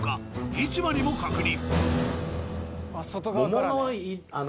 市場にも確認。